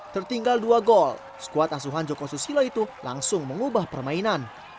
tertinggal dua gol skuad asuhan joko susilo itu langsung mengubah permainan